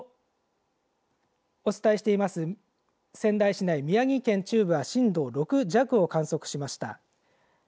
お伝えしています仙台市内、宮城県中部は震度６弱を観測しました。